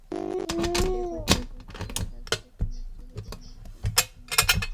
সেই বৈঠকের পরেই রাজ্য কমিটির অভিমত কেন্দ্রীয় কমিটির কাছে পাঠানো হবে।